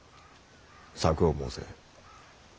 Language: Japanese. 策を申せ。